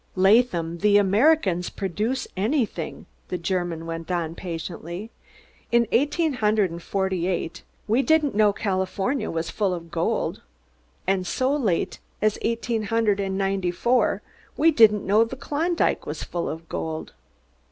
"Laadham, ve Amerigans produce anyding," the German went on patiently. "In eighdeen hundred und forty eight ve didn't know California vas full of gold; und so late as eighdeen hundred und ninedy four ve didn't know der Klondike vas full of gold.